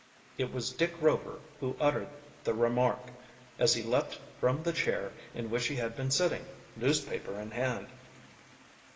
It was Dick Rover who uttered the remark, as he leaped from the chair in which he had been sitting, newspaper in hand.